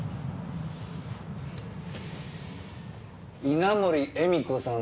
稲盛絵美子さん